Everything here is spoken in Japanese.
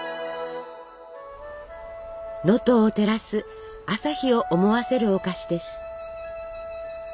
能登を照らす朝日を思わせるお菓子です。